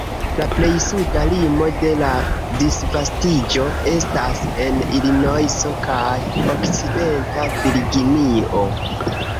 La plej suda limo de la disvastiĝo estas en Ilinojso kaj Okcidenta Virginio.